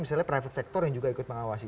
misalnya private sector yang juga ikut mengawasi